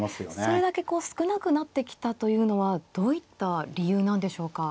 それだけこう少なくなってきたというのはどういった理由なんでしょうか。